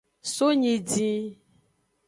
So nyidin.